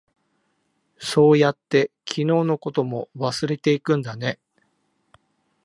そうやって、昨日のことも忘れていくんだね。